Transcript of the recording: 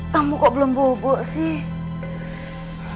tamu kok belum bubuk sih